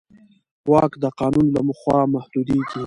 واک د قانون له خوا محدودېږي.